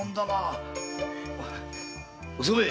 お染！